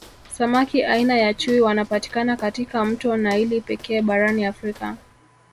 Samaki aina ya chui wanapatikana katika mto naili pekee barani Africa